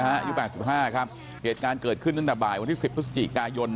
อายุ๘๕ครับเหตุการณ์เกิดขึ้นตั้งแต่บ่ายวันที่๑๐พฤศจิกายน